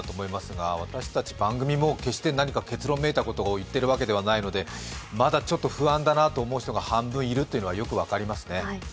が私たち番組も決して何か結論めいたことを言っているわけではないので、まだちょっと不安だなと思う人が半分いるというのはよく分かりますね。